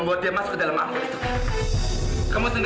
survivor ini dah tahu